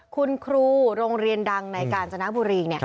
คุณครูโรงเรียนดังในการจนบุรี